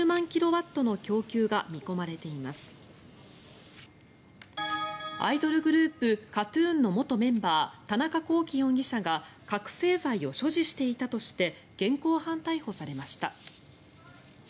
アイドルグループＫＡＴ−ＴＵＮの元メンバー田中聖容疑者が覚醒剤を所持していたとして現行犯逮捕されました。